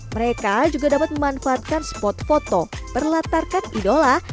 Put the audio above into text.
mereka juga dapat memanfaatkan spot foto berlatarkan idola